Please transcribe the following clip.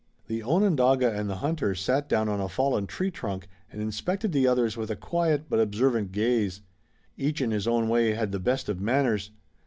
The Onondaga and the hunter sat down on a fallen tree trunk and inspected the others with a quiet but observant gaze. Each in his own way had the best of manners.